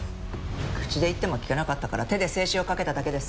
口で言っても聞かなかったから手で制止をかけただけです。